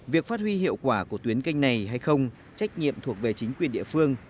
việc phát huy hiệu quả của tuyến canh này hay không trách nhiệm thuộc về chính quyền địa phương